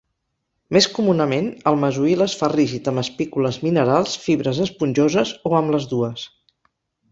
Més comunament, el mesohil es fa rígid amb espícules minerals, fibres esponjoses o amb les dues.